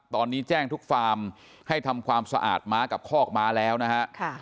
ตอนนี้แจ้งทุกฟาร์มให้ทำความสะอาดม้ากับคอกม้าแล้วนะฮะ